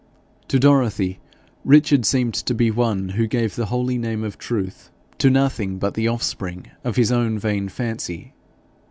To Dorothy, Richard seemed to be one who gave the holy name of truth to nothing but the offspring of his own vain fancy.